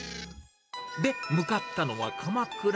で、向かったのは鎌倉。